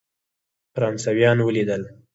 فرانسویان ولیدل.